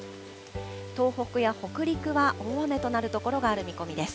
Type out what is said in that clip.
東北や北陸は大雨となる所がある見込みです。